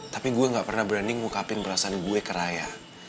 tapi gue gak pernah berani ngukapin perasaan gue keraya